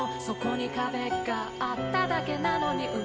「そこに壁があっただけなのに」